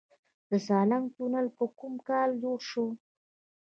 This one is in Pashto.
د سالنګ تونل په کوم کال جوړ شو؟